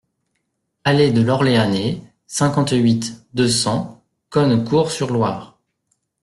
Allée de l'Orleanais, cinquante-huit, deux cents Cosne-Cours-sur-Loire